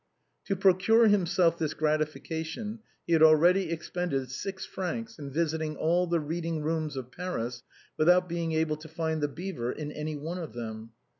To procure himself this gratification he had already expended six francs in visiting all the reading rooms of Paris without being able to find " The Beaver " in any one of them.